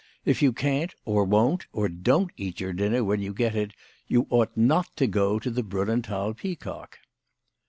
If you can't, or won't, or don't eat your dinner when you get it, you ought not to go to the Brunnenthal Peacock.